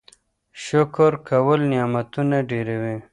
شکر کول نعمتونه ډېروي.